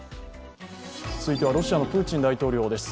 続いてはロシアのプーチン大統領です。